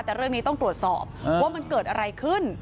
แต่เรื่องนี้ต้องตรวจสอบว่ามันเกิดอะไรขึ้น